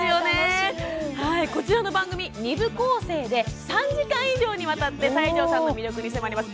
こちらの番組は２部構成で３時間以上にわたって西城さんの魅力に迫ります。